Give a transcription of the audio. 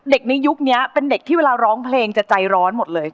ในยุคนี้เป็นเด็กที่เวลาร้องเพลงจะใจร้อนหมดเลย